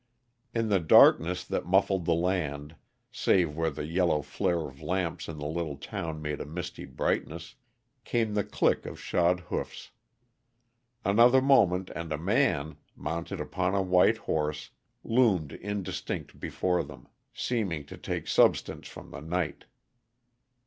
In the darkness that muffled the land, save where the yellow flare of lamps in the little town made a misty brightness, came the click of shod hoofs. Another moment and a man, mounted upon a white horse, loomed indistinct before them, seeming to take substance from the night.